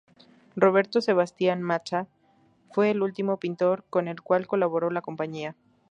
Roberto Sebastián Matta fue el último pintor con el cual colaboró la compañía.